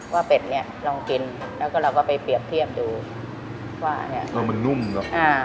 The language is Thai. เป็ดเนี่ยลองกินแล้วก็เราก็ไปเปรียบเทียบดูว่าเนี่ยเออมันนุ่มเนอะ